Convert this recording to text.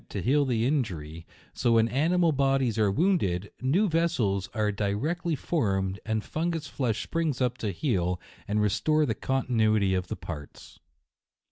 to heal the injury ; so when ani M 134 JUNE, mal bodies are wounded, new vessels are di iectly formed, and fungus flesh springs up to heal, and restore the continuity of the parts.